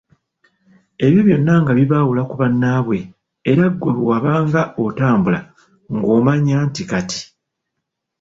Ebyo byonna nga bibaawula ku bannaabwe, era ggwe bwe wabanga otambula ng‘omanya nti kati